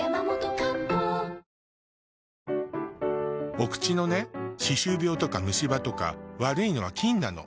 お口のね歯周病とか虫歯とか悪いのは菌なの。